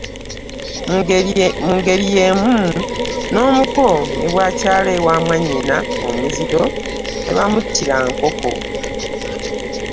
Mu ngeri y’emu n’omuko ne bw’akyala ewa mwannyina omuzito tebamuttira nkoko.